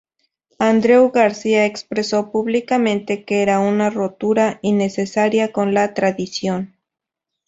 Andreu García expresó públicamente que era una rotura innecesaria con la tradición.